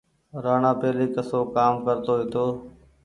رآڻآ پهيلي ڪسو ڪآم ڪرتو هيتو۔